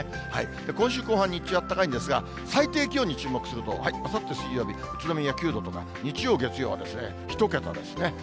今週後半、日中はあったかいんですが、最低気温に注目すると、あさって水曜日、宇都宮９度とか、日曜、月曜は１桁ですね。